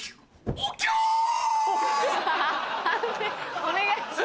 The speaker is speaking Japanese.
判定お願いします。